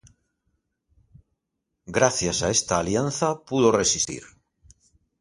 Gracias a esta alianza pudo resistir.